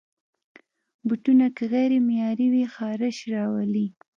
بوټونه که غیر معیاري وي، خارش راولي.